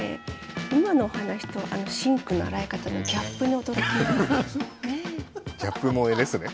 今のお話とあのシンクの洗い方のギャップに驚きます。